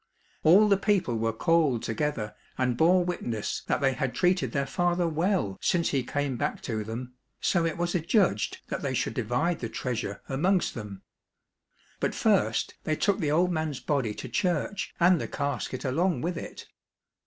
All the people were called together and bore witness that they had treated their father well since he came back to them, so it was adjudged that they should divide the treasure amongst them. But first they took the old man's body to church and the casket along with it.